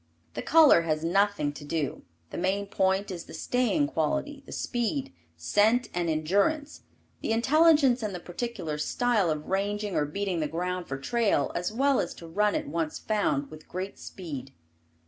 The color has nothing to do, the main point is the staying quality, the speed, scent and endurance; the intelligence and the particular style of ranging or beating the ground for trail as well as to run it once found, with great speed.